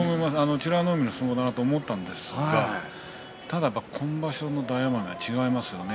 美ノ海の相撲だと思ったんですがただ今場所の大奄美は違いますね